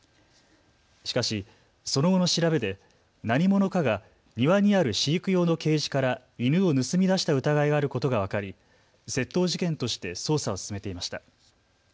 しかし、その後の調べで何者かが庭にある飼育用のケージから犬を盗み出した疑いがあることが分かり窃盗事件として捜査を進めていました。